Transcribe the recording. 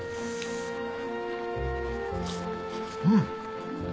うん！